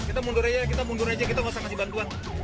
kita mundur aja kita mundur aja kita gak usah ngasih bantuan